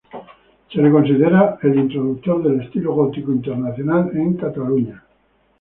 Se le considera el introductor del estilo gótico internacional en Cataluña.